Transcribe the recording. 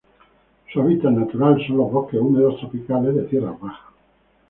Su hábitat natural son los bosques húmedos tropicales de tierras bajas.